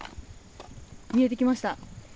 見えてきました。